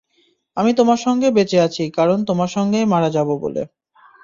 আমি তোমার সঙ্গে বেঁচে আছি, কারণ তোমার সঙ্গেই মারা যাব বলে।